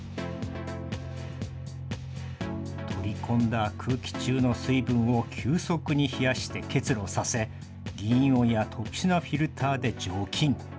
取り込んだ空気中の水分を急速に冷やして結露させ銀イオンや特殊なフィルターで除菌。